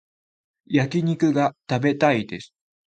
焼き肉が食べたいです